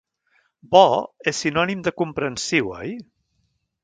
Bo és sinònim de comprensiu, oi?